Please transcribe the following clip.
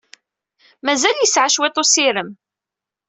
Mazal yesɛa cwiṭ n ussirem.